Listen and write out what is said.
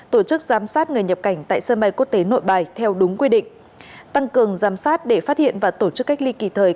tổ chức giám sát người nhập cảnh tại sân bay quốc tế nội bài theo đúng quy định tăng cường giám sát để phát hiện và tổ chức cách ly kịp thời